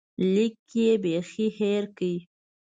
لیک یې بیخي هېر کړ.